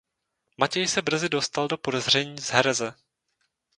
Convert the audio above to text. Matěj se brzy dostal do podezření z hereze.